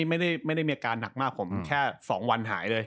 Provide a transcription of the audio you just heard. ไม่ได้ไม่ได้มีอาการหนักมากผมแค่สองวันหายเลยอ่า